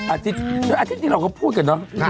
อาชิตจริงเราก็พูดกันเนอะ